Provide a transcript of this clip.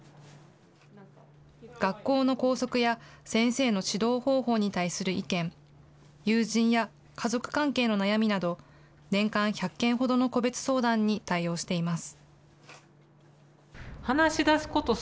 学校の校則や先生の指導方法に対する意見、友人や家族関係の悩みなど、年間１００件ほどの個別相談に対応しています。